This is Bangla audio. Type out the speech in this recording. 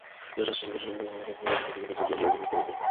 এখন স্বাস্থ্য অবকাঠামোয় অসংক্রামক রোগের দিকে নজর দেওয়া জরুরি হয়ে পড়েছে।